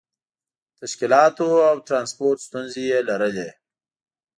د تشکیلاتو او ترانسپورت ستونزې یې لرلې.